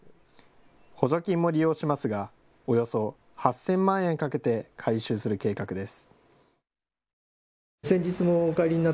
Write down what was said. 補助金も利用しますがおよそ８０００万円かけて改修する計画です。